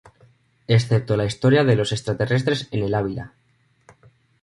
Excepto la historia de los extraterrestres en el Ávila.